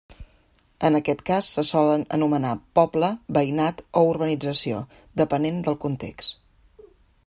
En aquest cas, se solen anomenar poble, veïnat o urbanització, depenent del context.